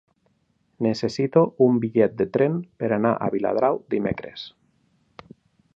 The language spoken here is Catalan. Necessito un bitllet de tren per anar a Viladrau dimecres.